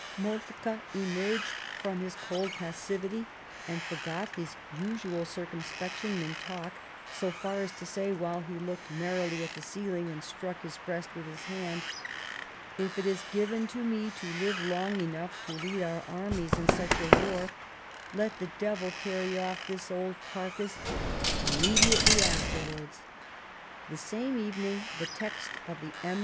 '" Moltke emerged from his cold passivity, and forgot his usual circumspection in talk so far as to say, while he looked merrily at the ceiling and struck his breast with his hand :" If it is given to me to live long enough to lead our armies in such a war, let the devil carry off this old carcase immediately afterwards." The same evening, the text of the Em.